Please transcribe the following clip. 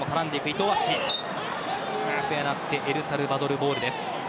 笛が鳴ってエルサルバドルボールです。